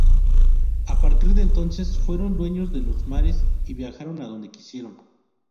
A partir de entonces, fueron dueños de los mares y viajaron a donde quisieron.